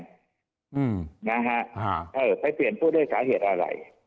คือไปเปลี่ยนพ่อเดือสาเหตุอะไร